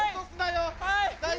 ・・はい！